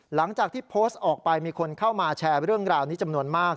หลังจากที่โพสต์ออกไปมีคนเข้ามาแชร์เรื่องราวนี้จำนวนมาก